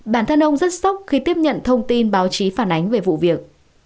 bản thân ông rất sốc khi tiếp nhận thông tin báo chí phản ánh về vụ việc